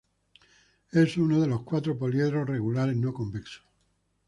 Es uno de los cuatro poliedros regulares no convexos.